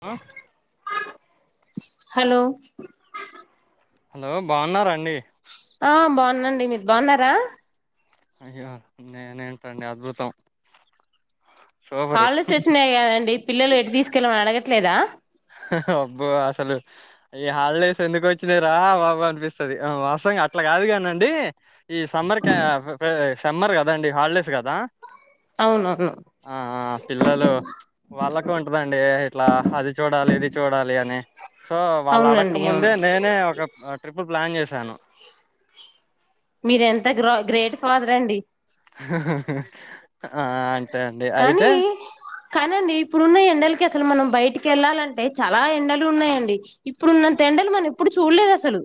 అ hello hello బావున్నారాండి ఆ బాగున్నండి మీరు బాగున్నారా అయ్యో నేనేంటండి అద్భుతం సూపరు హాల్డేస్ వచ్చినాయి కదండి పిల్లలు ఎటు తీసుకెళ్ళమని అడగట్లేదా అబ్బో అసలు ఈ హాలిడేస్ ఎందుకు వచ్చినాయ్ రా బాబు అనిపిస్తది అ వస్తవానికి అట్లా కాదు కాని అండి ఈ సమ్మర్ సమ్మర్ కదాండి హాలిడేస్ కదా అవునవును ఆ పిల్లలు వాళ్ళకు ఉంటదండి ట్లా అది చూడాలి ఇది చూడాలి అని సో వాళ్ళు అడక్క అవునండి అవును ముందే నేనే ఒక ట్రిప్ ప్లాన్ చేస్ సాను మీరెంత గ్రే గ్రేట్ ఫాదర్ అండి ఆ అంతే అండి అయితే కానీ కానండి ఇప్పుడున్న ఎండలకస్ సలు మనం బయటికి వెళ్ళాలంటే చాలా ఎండలు ఉన్నాయండి ఇప్పుడున్నంత ఎండలు మనం ఎప్పుడు చూడలేదు అసలు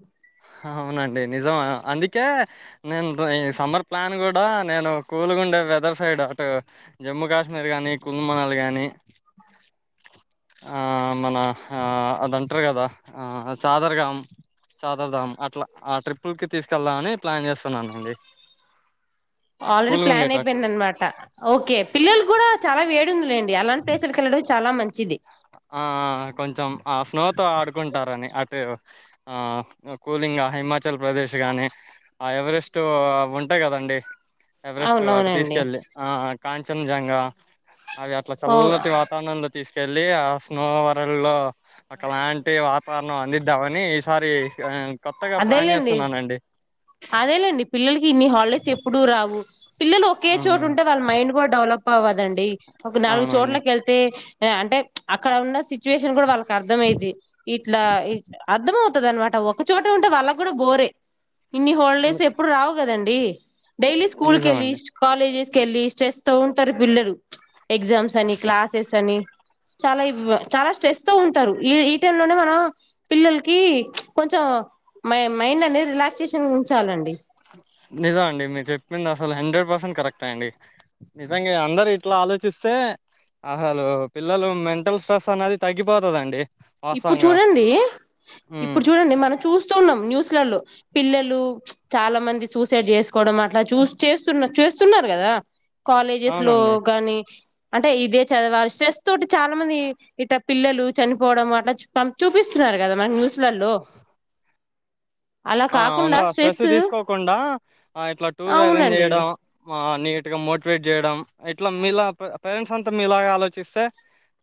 అవునండి నిజమా అందుకే నేను ఈ సమ్మర్ ప్లాన్ కూడా నేను కూలుగుండే వెదర్ సైడ్ అటు జమ్మూ కాశ్మీర్ కానీ కున్మనల్ కానీ ఆ మన అదంటరు కదా ఆ చాదరగాం చాదరధాం అట్లా ఆ ట్రిప్పులకి తీసుకెళ్దామని ప్లాన్ చేస్తున్నానండి ఆల్రెడీ కూల్గా ప్లాన్ ఉండేటట్టు అయిపోయిందనమాట, ఓకే పిల్లలు కూడా చాలా వేడుందిలేండి అలాంటి ప్లేసులకెళ్ళడమే చాలా మంచిది ఆ ఆ కొంచెం ఆ స్నోతో ఆడుకుంటారని అటు ఆ కూలింగ్ హిమాచల్ ప్రదేశ్ కానీ ఆ ఎవరెస్ట్ ఉంటాయి కదండి ఎవరెస్ట్ అటు అవునవునండి తీసుకెళ్ళి ఆ కాంచనజంగా అవి అట్లా ఓ చల్లటి వాతావరణంలో తీస్ కెల్లియా స్నోవరంలో ఒకలాంటి వాతావరణం అందిద్దామని ఈసారి ఆ అదేలేండి అదేలేండి పిల్లలకి ఇన్ని హాలిడేస్ ఎప్పుడు రావు పిల్లలు ఒకే హ్మ్. చోటుంటే వాళ్ళ మైండ్ కూడా డవల్ పవదండి ఒక నాలుగు అవునండి చోట్లకెళ్తే అంటే అక్కడ ఉన్న సిచ్యువేషన్ కూడా వాళ్ళకి అర్థం అయిద్ది ఇట్లా అర్ధం అవుతది అనమాట ఒక చోట ఉంటే వాళ్ళకు కూడా బోరే ఇన్ని ని హాలిడేస్ ఎప్పుడు రావు కదండి డైలీ స్కూల్ నిజమండి కేల్లీస్ కాలేజీస్ ళ్ళి స్ట్రెస్ తో ఉంటారు పిల్లలు ఎగ్జామ్స్ అని క్లాసెస్ అని చాలా ఇ చాలా స్ట్రెస్ తో ఉంటారు ఈ ఈ టై లోనే మనం పిల్లలకి కొంచెం మై మైండ్ అనే రిలాక్సేషన్ ఉంచాలండి నిజమండి మీరు చెప్పింది అస్ అసలు హండ్రెడ్ పర్సెంట్ కరెక్టే అండి నిజంగా అందరు ఇట్లా ఆలోచిస్తే అసలు పిల్లలు మెంటల్ స్ట్రెస్ అనేది తగ్గిపోతదండి ఇప్పుడు వాస్తవంగా చూడండి ఇప్పుడు హ్మ్. చూడండి. మనం చూస్ చూస్తున్నాం న్యూస్లలో పిల్లలు చాలా మంది. సూసైడ్ చేసుకోవడం అట్లా చూ చేస్తున్న చేస్తున్నారు కదా. కాలేజెస్ లో అవునండి గాని అంటే ఇదే చదివాలి స్ట్రెస్ తోటి చాలా మంది. ఇటా పిల్లలు చన్ పోవడం అట పం చూపిస్తున్నారు. కదా మనాక్ న్యూస్ ల్లలో ఆ అవును స్ట్రెస్ తీసుకోకుండా. ఆ ఇట్లా టూర్ అరేంజ్ అవునండి చేయడం. నీట్ గా మోటివేట్ చేయడం ఇట్లా మీలా పేరెంట్స్ అంతా మీలాగా ఆలోచిస్తే.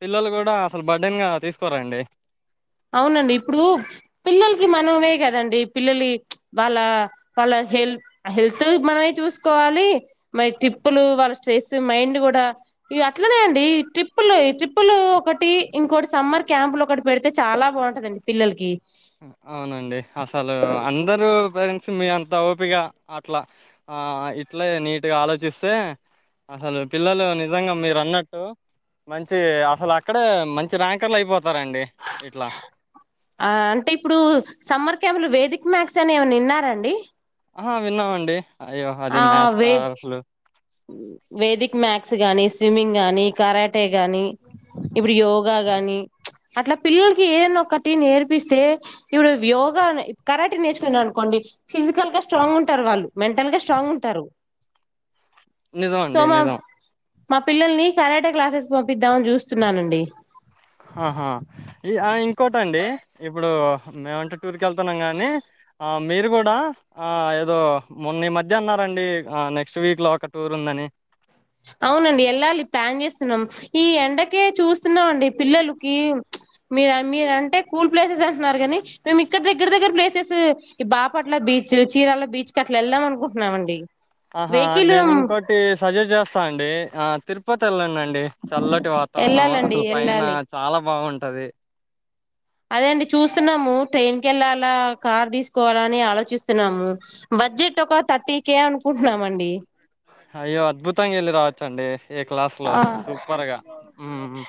పిల్లలు కూడా అసలు బర్డైన్గా తీసుకోరండి. అవునండి ఇప్పుడు పిల్లలకి మనమే కదండి పిల్లలి వాళ్ళ వాళ్ళ హెల్ హెల్త్ మనమే చూసుకోవాలి. మరి ట్రిప్పులు వాళ్ళ స్ట్రెస్ మైండ్ కూడా. ఇగా అట్లనే అండి ట్రిప్పుల్లే, ట్రిప్పులు ఒకటి ఇంకోటి సమ్మర్ క్యాంపులు ఒకటి పెడితే. చాలా బాగుంటదండి పిల్లలకి. అవునండి అసలు అందరుూ పేరెంట్స్ మీ అం త ఓపిగా అట్లా. ఆ ఇట్లే నీట్గా ఆలోచిస్తే అసలు పిల్లలు నిజంగా మీరు అన్నట్టు. మంచి అసలు అక్కడే మంచి ర్యాంకర్లు అయిపోతారంండి. ఇట్లా ఆ అంటే ఇప్పుడు సమ్మర్ క్యామ్లు వేదిక మ్యాక్స్ అని ఏమనా ఇన్నారండి. ఆ విన్నామండి. అయ్యో అది ఆ మ్యాథ్స్ వే కాసలు వేదిక్ మ్యాథ్స్ గానీ, స్విమ్మింగ్ గానీ కరాట్ అంటే గానీ ఇప్పుడు యోగా గానీ, అట్లా పిల్లలకి ఏదోన్న ఒక్కటి నేర్పిస్తే. ఇప్పుడు యోగా, కరాటి నేర్చుకున్నా అనుకోండి. ఫిజికల్ గా స్ట్రాంగ్ ఉంటారు వాళ్ళు మెంటల్ గా స్ట్రాంగ్ ఉంటారు. నిజం సో అండి మా నిజం మా పిల్లల్ని కరాటి క్లాసెస్ పంపిద్దామని చూస్తున్నానండి. ఆహా ఆ ఇంకోటండి ఇప్పుడు మేమంటే టూర్కి వెళ్తున్నాం. కానీ మీరు కూడా ఏదో మొన్న ఈ మధ్య అన్నారంండి. నెక్స్ట్ వీక్ లో ఒక టూర్ ఉందని అవునండి వెళ్ళాలి ప్లాన్ చేస్తున్నాం. ఈ ఎండకే చూస్తున్నామండి పిల్లలకి మీరు మీరు అంటే కూల్ ప్లేసెస్ అంటున్నారు కానీ మేము ఇక్కడ దగ్గర దగ్గర ప్లేసెస్ ఈ బాపట్ల బీచ్, చీరాల బీచ్ కి అట్లా వెళ్దాం అనుకుంటున్నామండి. ఆహా వెహికల్ నేను ఇంకోటి సజెస్ట్ చేస్ అండి తిరుపతి వెళ్ళండండి చల్లటి వాతావరణం. వెళ్ళాలండి అసలు పైన వెళ్ళాలి చాలా బాగుంట్ ట్టది అదేండి చూస్తున్నాము. ట్రైన్ కె వెళ్ళాలా కార్ తీసుకోవాలా అని ఆలోచిస్తున్నాము. బడ్జెట్ ఒక థర్టీ కే అనుకుంటున్నామండి. అయ్యో అద్భుతంగా వెళ్ళి రావచ్చండి. ఏ క్లాస్ ల్ల ఆ సూపర్గా ఉహ్మ్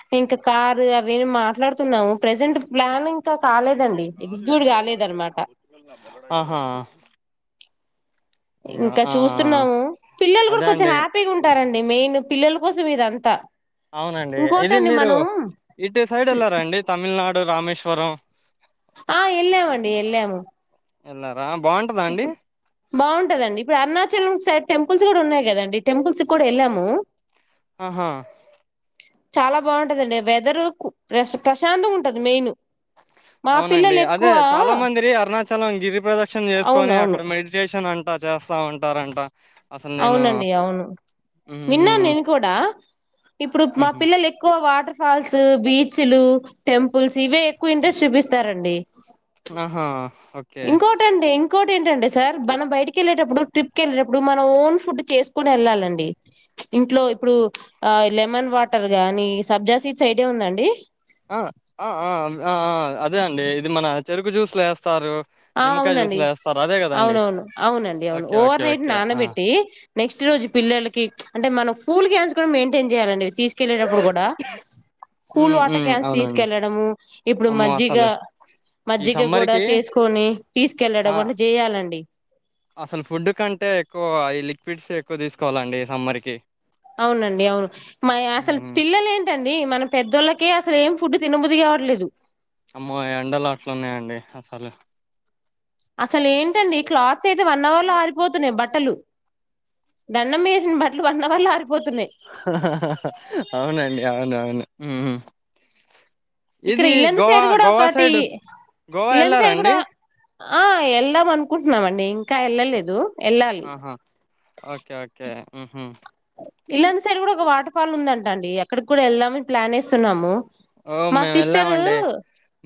రే మాట్లాడుతున్నాము. ప్రెజెంట్ ప్లాన్ ఇంకా కాలేదండి ఎగ్జిక్యూట్ కాలేదనమాట ఆహా అయ్యో! ఇంకా ఆ! ఆ! చూస్తున్నాము పిల్లలు కూడా అదే కొంచెం అండి. హ్యాపీగా ఉంటారంండి. మెయిన్ పిల్లల కోసం ఇదంతా అవునండి ఇది ఇంకోటండి మీరు మనం ఇటు సైడ్ వెళ్లారాండి. తమిళనాడ్ రామేశ్వరం. ఆ ఎల్లమండి ఎల్లము అలా ఇప్పుడు బాగుంటదండి ఇప్పుడు అరుణాచల్ం సైడ్ టెంపుల్ టెంపుల్స్ కూడా ఉన్నాయి కదండి టెంపుల్స్ కూడా వెళ్ళాము ఆహా చాలా బాగుంటందండి వేథెర్ కు ప్ర ప్రశాంతం ఉంటది మెయిన్ మా అవునండి పిల్లలు అదే ఎక్కువ చాలా మంది అరుణాచ చలం గిరి ప్రదక్షిణ అవును చేసుకొని అవును అక్కడ మెడిటేషన్ ఆన్ అంటా చేస్తా ఉంటారంట అసలు నేను అవునండి అవును విన్నాను హ్మ్ నేను కూడా ఇప్పుడు మా హు పిల్లలు ఎక్కువ వాటర్ ఫాల్స్ బీచ్లు టెంపుల్స్ ఇవే ఎక్కువ ఇంట్రెస్ట్ చూపిస్తారండి ఆహా ఓ ఇంకొటండి ఇంకోటి ఏంటండి సార్ మనం బయటకి వెళ్ళేటప్పుడు ట్రిప్కి వెళ్ళేటప్పుడు మనం ఓన్ ఫుడ్ చేసుకుని వెళ్ళాలిండి ఇంట్లో ఇప్పుడు ఆ లెమన్ వాటర్ గాని సబ్జా సీడ్ ఐడియా ఉందా అండి ఆ ఆ ఆ ఆ ఆ! అదే అండి ఇది మన చెరుకు జ్యూసులు వేస్తారు ఆ నిమ్మకాయ అవునండి జ్యూస్లో వేస్తారు అదే కదండి అవునవును అవునండి అవును okay okay overnight okay ఆ నానబెట్టి నెక్స్ట్ రోజు పిల్లకి అంటే మన పూల్కించసు కూడాడం మెయింటైన్యాలండి తీసుకెళ్ళటప్పుడు కూడా cool hmm water hmm cans అవునండి తీసుకెళ్ళడము ఇప్పుడు అమ్మో మజ్జిగ అసలు ఈ మజ్జిగ కూడా సమ్మర్కి చేసు ని తీసుకెళ్లడం ఆ అట్ చేయాల అండి అసలు ఫుడ్ కంటే ఎక్కువ ఈ లిక్విడ్స్ ఎక్కువ తీసుకోవాలండి సమ్మర్కి అవునండి అవును అసలు మ్మ్ పిల్లలు ఏంటండి మన పెద్దోళ్ళకే అసలు ఏం ఫుడ్ తినబుది కావట్లేదు అమ్మో ఎండలు అట్లున్నాయండి అసలు అసలు ఏంటండి ఇ క్లాత్ ఉతికేస్తే వన్ అవర్ లో ఆరిపోతున్నాయి బట్టలు దండం మీద వేసిన బట్టలు వన్ అవర్ లో ఆరీ హా హా హాహా అవునండి అవును అవును మ్మ్ ఇక్కడ ఇది ఇల్లందు గోవా సైడ్ కూడా గోవా కాటి సైడ్ గోవా ఇల్లందు సైడ్ కూడా వెళ్ళారండి ఆ వెళ్దాం అనుకుంటున్నాం అండి ఇంకా ఎల్లలేదు ఎల్లాలి ఆహా ఓకే ఓకే మ్మ్ ఇలాంటి సైడ్ కూడా ఒక వాటర్ ఫాల్ ఉందంట అండి అక్కడకి కూడా వెళ్దామని ప్లాన్ వేస్తున్నాము ఓ మా మేమ్ సిస్టరు వెళ్ళామండి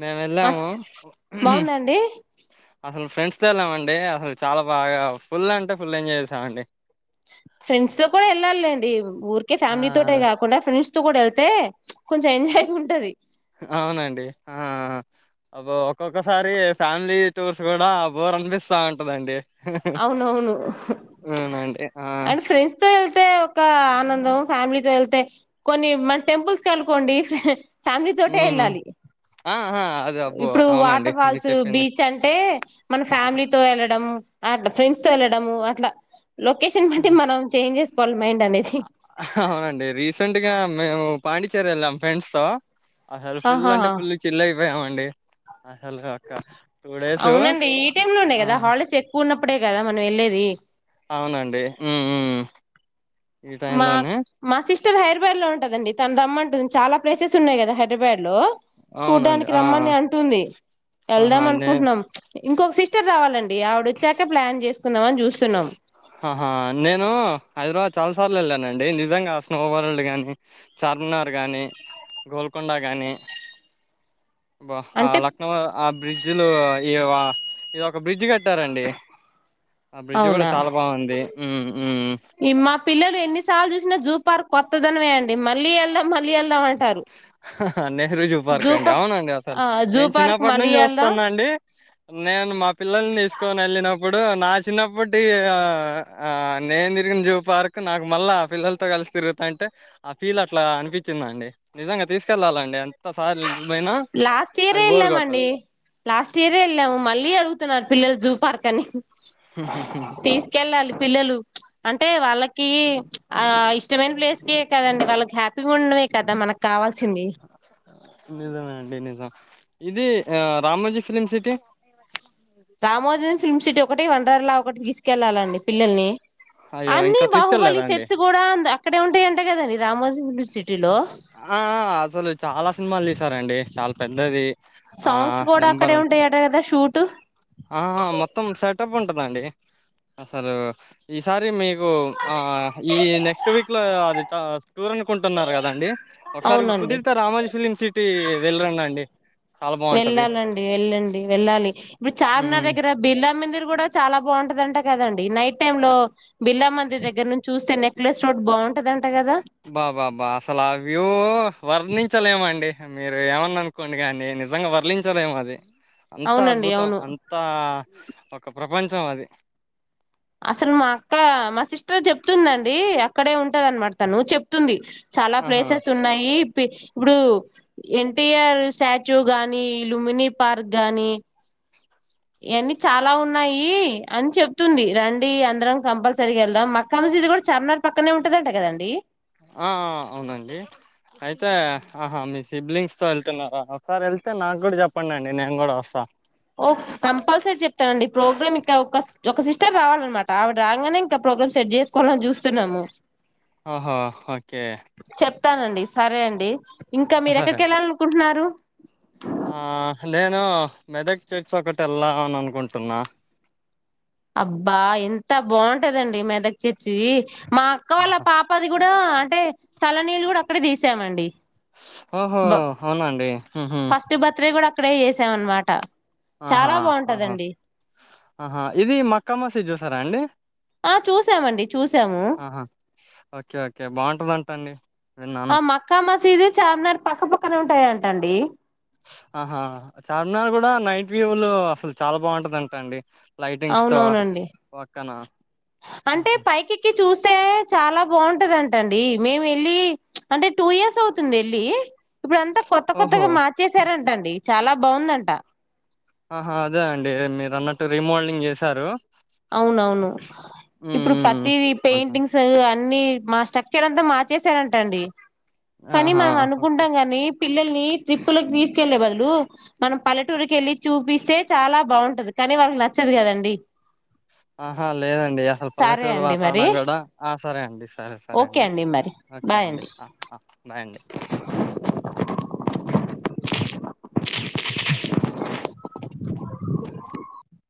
మేము మా వెళ్ళాము ఉహ బాగుందండి అసలు ఫ్రెండ్స్ ఫ్రెండ్స వెళ్ళామండి అసలు చాలా బాగా ఫుల్ అంటే ఫుల్ ఎంజాయ్ చేసామండి ఫ్రెండ్స్ తో కూడా వెల్లాలేండి లేండి ఊరికే ఆ ఫ్యామిలీ తోటే కాకుండా ఫ్రెండ్స్ ఫ్రెండ్స్ తో కూడా వెళ్తే కొంచెం ఎంజాయ్గ ఉంటది అవునండి అఅ అబో ఒక్కొక్కసారి ఫ్యామిలీ టూర్స్ కూడా బోర్ అనిపిస్తా ఉంటందండి అవునవును అహ అవునండి ఆ అండ్ ఫ్రెండ్స్ తో వెళ్తే ఒక అనందం ఫ్యామిలీతో వెళ్తే కొన్ని మన టెంపుల్స్ క అనుకోండి ఫ్యామిలీ తోటే ఉహు వెళ్లాలి ఆ ఆ అదే అబ్బో ఇప్పుడు అవునండి వాటర్ మీరు ఫాల్స్ చెప్పింది బీచ్ అంటే మన ఫ్యామిలీతో వెళ్ళడం అట్లా ఫ్రెండ్స్ తో వెళ్ళడము అట్లా లొకేషన్ నీ బట్టి మనం చేంజ్ చేసుకోవాలి మైండ్ అనేది పాండిచేర్ ఎల్లాం ఫ్రెండ్స్ తో అసలు ఫుల్ ఆహా అంటే ఫుల్ చిల్ ఏవండీ అసలు ఒక టూ డేస్ అ ఇప్పుడే కదా మనం వెళ్ళేది ఉమ్ ఉమ్ ఈ టైమ్ మా అ లోనే మాసి ఇక్కడ హైదరాబాద్ లో ఉంటదండి తను రమ్మంటుంది చాలా ప్లేసెస్ ఉన్నాయి కదా హైడ్రాబాద్ లో అవునండి చూడ్డానికి ఆ ఆ! రమ్మని అంటుంది ఆహా వెళ్దాం నే అనుకుంటున్నాం ఇంకొక సిస్ ఇకర్ [unintelligible] రావాలండి ఆవిడ వచ్చాక ప్లాన్ చేసుకుందాం అని చూస్తున్నాం ఆహా నేను హైదరాబాద్ చాలా సార్లు వెళ్ళానండి నిజంగా స్నో వరల్డ్ కానీ చార్మినార్ కానీ గోల్కొండ కానీ ఆ అంటే లక్నో ఆ బ్రిడ్జిలు ఈఓ ఇది ఒక బ్రిడ్జ్ కట్టి కట్టారండీ ఆ బ్రిడ్జ్ కూడా అవునా చాలా బాగుంది. హ్మ్ హ్మ్ మా పిల్లలు ఎన్ని సార్లు చూసినా జూ పార్క్ కొత్తదనం వేయంండి మళ్ళీ వెళ్ద మళ్ళీ వెళ్దాం అంటారు అనే హృ జూపార్క్ జూ అండి పా అవునండి అసలు ఆ జూ నేను పార్క్ చిన్నప్పటి మళ్ళీ నుంచి వెళ్దాం చూస్తున్నా అండి నేను మా పిల్లల్ని తీసుకొని వెళ్ళినప్పుడు నా చిన్నప్పటి ఆ ఆ నేను తిరిగిన జూ పార్క్ నాకు మళ్ళా పిల్లలతో కలిసి తిరుగుత అంటే ఆ ఫీల్ అట్లా అనిపి వచ్చిందండి నిజంగా తీసుకెళ్ళాలండి అంత సార్ లాస్ట్ ఇయరే వెళ్ళామండి లాస్ట్ ఇయరే వెళ్ళాము మళ్ళీ అడుగుతున్నారు పిల్లల్ జూ పార్క్ అనీ తీసుకెళ్ళాలి పిల్లలు అంటే వాళ్ళకి ఆ ఇష్టమైన ప్లేస్ కె కదండి వాళ్ళకి హ్యాపీగా ఉండమే కదా మనకు కావాల్సి నిజమే [unintelligible] ఇది Ramoji film city Ramoji film city ఒకటి వండర్లా ఒకటికి తీసుకెళ్లాలండి పిల్లల్ని అయ్యో అన్నీ ఇంకా తీసుకెళ్లేదా బాహుబలి అండి సెట్స్ కూడా అక్కడే ఉంటాయంటే కదండి రామోజి ఆ అసలు చాలా సినిమాలు తీసారంండి చాలా పెద్దది ఆ సాంగ్స్ కూడా నెంబర్ అక్కడే ఉంటాయట కదా షూట్ ఆ మొత్తం సెటప్ ఉంటదండి అసలు ఈసారి మీ కు ఆ ఈ నెక్స్ట్ వీక్ లో అది [unintelligible] ఉంటున్నారు కదండి ఒకసారి అవునండి కుదిరితే రామోజీ ఫిలిం సిటీ వెళ్ళిరండి అండి చాలా బాగుంటది వెళ్ళాలండి వెళ్ళండి వెళ్ళాలి ఇప్పుడు చార్మినార్ దగ్గర బిర్లా మందిర్ కూడా చాలా బాగుంటుంది అంట కదండి నైట్ టైమ్ లో బిల్లా మందిర్ దగ్గర నుంచి చూస్తే నెక్ట్ [unintelligible] బాగుంటాది అంట బా బా బా అసలు ఆ వ్యూ వర్ణించలేమండి మీరు ఏమన్నా అనుకోండి కానీ నిజంగా వర్లించలేము అది అంతా అవునండి అద్భుతం అవును అంతా ఒక ప్రపంచం అది అసలు మా అక్క మా సిస్టర్ చెప్తుందండి అక్కడే ఉంటది అనమాట తను చెప్తుంది చాలా ఆహా ప్లేసెస్ ఉన్నాయి ఇప్పుడు ఎన్టీఆర్ స్టాచ్యూ గానీ లుమినీ పార్క్ గాని ఇవన్నీ చాలా ఉన్నాయి అని చెప్తుంది రంీ అందరం కంపల్సరీ గా వెళ్దాం మక్కా మసీది కూడా చార్మినార్ పక్కనే ఉంటదంటే కదండి ఆ అవునండి అయితే ఆహా మీ సిబ్లింగ్స్ తో వెళ్తున్నారు ఒకసారి వెళ్తే నాకు కూడా చెప్పండి అండి నేను కూడా వస్తాను ఓ కంపల్సరీ చెప్తానండి ప్రోగ్రామ్ ఇంకా ఒక ఒక సిస్టర్ రావాలన్నమాట ఆవిడ రాగానే ఇంకా ప్రోగ్రామ్ సెట్ చేసుకోవాలని చూస్తున్నాము ఆఓహో ఓకే చెప్స్తానండి సరే అండి ఇంకా సరే మీరెక్కడికి వెళ్ళాలినుకుంటున్నారు ఆ నేను మెదక్ చేర్చి ఒకటి వెళ్ళాలి అని అనుకుంటున్నా అబ్బా ఎంత బాగుంటదండి మెదక్ చేర్చి మా అక్క వాళ్ళ పాప అది కూడా అంటే తలనీీళ్ళు కూడా అక్కడ తీసామండి ఓహో అవునండి. ఫస్ట్ బర్త్డే కూడా అక్కడే చేసాం అన్నమాట ఆహా అహా ఆహా ఇది మ క్కమసీద్ చూసారా అండి ఆ చూసామండి చూసాము ఆహా ఓకే ఓకే బాగుంటదంటా అండి. విన్నాను ఆ మక్కా మసీదు చార్మినార్ పక్కపక్కన ఉంటాయా. టండి. ఆహా చార్మినార్ కూడా నైట్ వ్యూలు అసలు చాలా బాగుంటది అంట అండి. లైటింగ్స్ తో అవునవునండి పక్కన అంటే హుహు. పైకిెక్కి చూస్త వస్తే చాలా బాగుంటది అంట అండి మేము వెళ్ళి అంటే టూ ఇయర్స్ అవుతుంది వెళ్ళి. ఇప్పుడు అంతా కొత్త ఓహో కొత్తగా మార్చసారంటండి. చాలా బాగుందంట. ఆహా అదే అండి మీరు అన్నట్టు రీమోల్డింగ్ చేసి సారు అవునవును ఇప్పుడు ప్రతి పెయింటింగ్స్ అ అన్ని మా స్ట్రక్చర్ అంతా మార్చేసారంట అండి కానీ ఆహా! మనం ఓకే. అనుకుంటం కాని పిల్లల్ని ట్రిప్పులకి తీసుకెళ్లే బదులు మనం పల్లెటూరుకి వెళ్ళి చూపిస్తే చాలా బాగుంటది కానీ వాళ్ళకి నచ్చదు కదండి. ఆహా లేదండి అసలు సరే పల్లెటూరు అండి మరి వాతావరణం కూడా ఆ సరే అండి సరే సరే ఓకే అండి మరి ఓకే బాయ్ అండి. బాయ్ అండి ఆ హలో